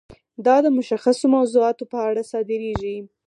دا د مشخصو موضوعاتو په اړه صادریږي.